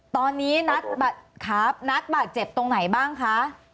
ตอนนี้นัดครับนัทบาดเจ็บตรงไหนบ้างคะ